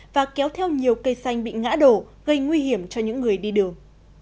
và kéo theo nhiều cây xanh bị ngã đổ gây nguy hiểm cho những người đi đường